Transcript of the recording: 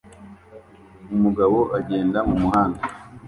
Umugabo agenda mu muhanda